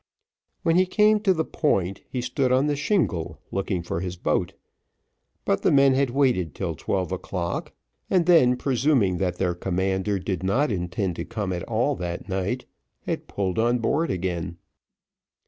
When he came to the Point, he stood on the shingle, looking for his boat, but the men had waited till twelve o'clock, and then presuming that their commander did not intend to come at all that night, had pulled on board again.